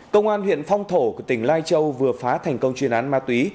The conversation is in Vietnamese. công an huyện phong thổ của tỉnh lai châu vừa phá thành công chuyên án ma túy